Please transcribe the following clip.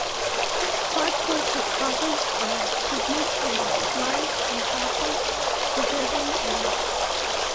God’s works of providence are, his most holy, wise, and powerful preserving and